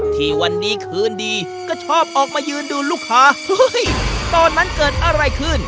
ที่วันนี้คืนดีก็ชอบออกมายืนดูลูกค้าเฮ้ยตอนนั้นเกิดอะไรขึ้น